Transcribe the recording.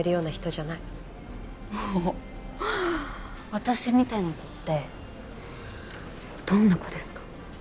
私みたいな子ってどんな子ですか？